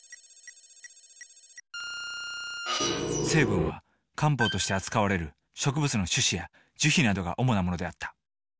成分は漢方として扱われる植物の種子や樹皮などが主なものであった。